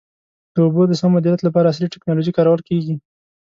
د اوبو د سم مدیریت لپاره عصري ټکنالوژي کارول کېږي.